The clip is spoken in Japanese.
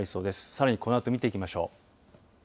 さらにこのあと見ていきましょう。